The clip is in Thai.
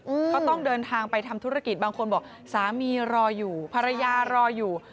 ก็ต้องเดินทางไปทำธุรกิจบางคนบอกสามีรออยู่ภรรยารออยู่